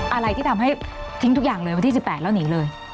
อะไรที่ทำให้ทิ้งทุกอย่างเลยวันที่๑๘แล้วหนีเลย